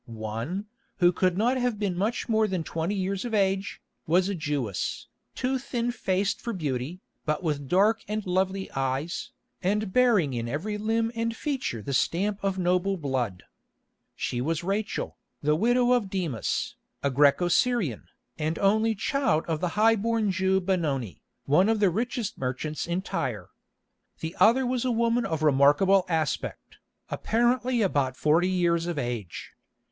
One, who could not have been much more than twenty years of age, was a Jewess, too thin faced for beauty, but with dark and lovely eyes, and bearing in every limb and feature the stamp of noble blood. She was Rachel, the widow of Demas, a Græco Syrian, and only child of the high born Jew Benoni, one of the richest merchants in Tyre. The other was a woman of remarkable aspect, apparently about forty years of age.